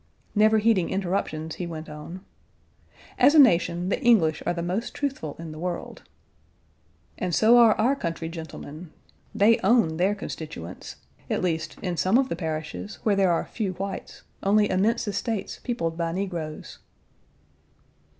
Never heeding interruptions, he went on: "As a nation, the English are the most truthful in the world." "And so are our country gentlemen: they own their constituents at least, in some of the parishes, where there are few whites; only immense estates peopled by negroes.